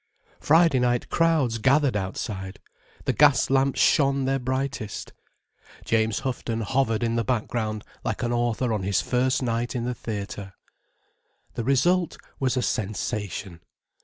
Friday night crowds gathered outside: the gas lamps shone their brightest: James Houghton hovered in the background like an author on his first night in the theatre. The result was a sensation.